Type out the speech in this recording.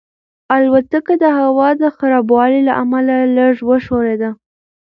الوتکه د هوا د خرابوالي له امله لږه وښورېده.